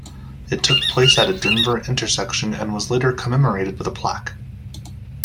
It took place at a Denver intersection and was later commemorated with a plaque.